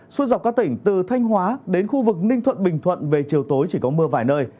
suốt dọc các tỉnh từ thanh hóa đến khu vực ninh thuận bình thuận về chiều tối chỉ có mưa vài nơi